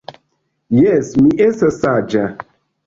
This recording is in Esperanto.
Jes, mi estas saĝa